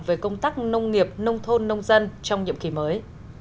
về công tác nông nghiệp nông thôn nông dân trong nhiệm kỳ mới